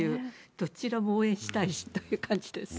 どちらも応援したいなという感じです。